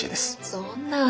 そんなぁ。